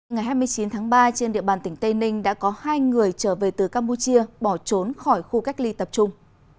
ngày hai mươi chín tháng ba trên địa bàn tỉnh tây ninh đã có hai người trở về từ campuchia bỏ trốn khỏi khu cách ly tập trung